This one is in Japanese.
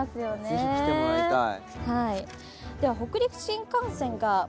是非来てもらいたい。